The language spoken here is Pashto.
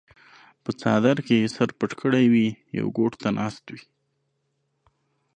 پۀ څادر کښې ئې سر پټ کړے وي يو ګوټ ته ناست وي